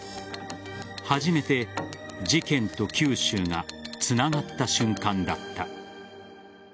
初めて事件と九州がつながった瞬間だった。